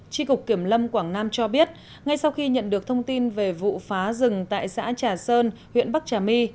tri cục kiểm lâm quảng nam cho biết ngay sau khi nhận được thông tin về vụ phá rừng tại xã trà sơn huyện bắc trà my